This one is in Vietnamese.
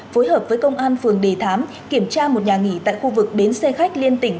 phối hợp với công an phường đề thám kiểm tra một nhà nghỉ tại khu vực bến xe khách liên tỉnh